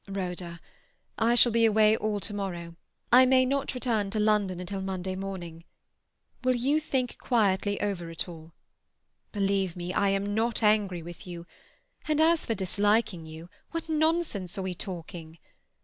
"Rhoda, I shall be away all to morrow; I may not return to London until Monday morning. Will you think quietly over it all? Believe me, I am not angry with you, and as for disliking you—what nonsense are we talking!